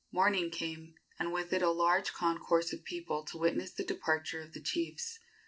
Morning came, and with it a large concourse of people to witness the departure of the chiefs.